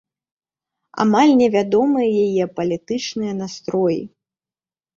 Амаль невядомыя яе палітычныя настроі.